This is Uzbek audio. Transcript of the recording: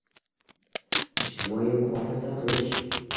ijtimoiy muhofaza qilish;